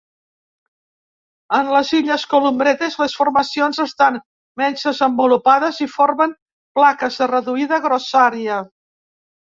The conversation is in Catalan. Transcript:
En les Illes Columbretes les formacions estan menys desenvolupades i formen plaques de reduïda grossària.